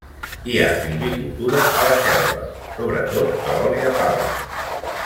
Hi ha silvicultura a la selva, sobretot de l'oli de palma.